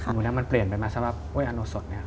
หมูดังมันเปลี่ยนไปมาสำหรับอันโนสด